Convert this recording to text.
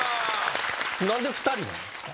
何で２人なんですか？